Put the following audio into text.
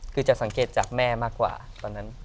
คือจะสังเกตจากแม่มากกว่าตอนนั้น